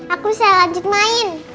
aku bisa lanjut main